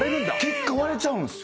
結果割れちゃうんす。